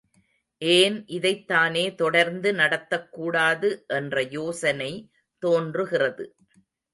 ஏன் இதைத் தானே தொடர்ந்து நடத்தக்கூடாது என்ற யோசனை தோன்றுகிறது.